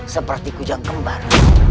seperti kujang kembar